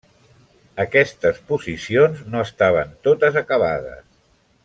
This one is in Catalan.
Aquestes posicions no estaven totes acabades.